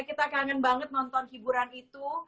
kita kangen banget nonton hiburan itu